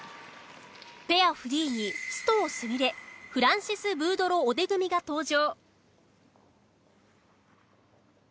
ペアフリーに須藤澄玲フランシスブードロ・オデ組が登場。